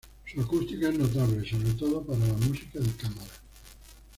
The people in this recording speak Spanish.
Su acústica es notable, sobre todo para la música de cámara.